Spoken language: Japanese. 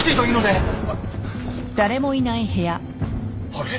あれ？